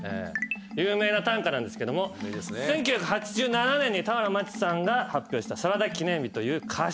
有名な短歌なんですけども１９８７年に俵万智さんが発表した『サラダ記念日』という歌集ですね。